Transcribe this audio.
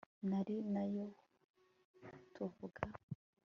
n ari na yo tuvuga